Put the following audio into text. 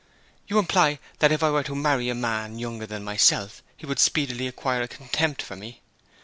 'You imply that if I were to marry a man younger than myself he would speedily acquire a contempt for me?